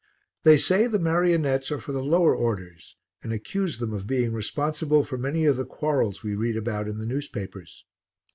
They say the marionettes are for the lower orders and accuse them of being responsible for many of the quarrels we read about in the newspapers.